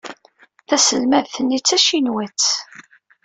Taselmadt-nni d tacinwat.